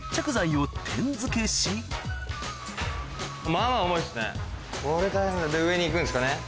まずはで上に行くんですかね。